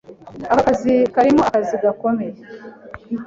Aka kazi karimo akazi gakomeye.